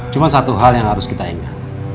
cuma satu hal yang harus kita ingat